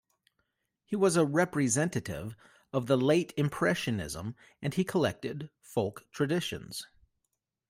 He was a representative of the Late-Impressionism and he collected folk traditions.